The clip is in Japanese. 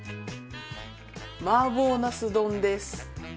麻婆ナス丼です。